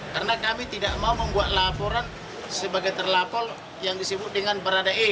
saya tidak mau membuat laporan sebagai terlapor yang disebut dengan berada e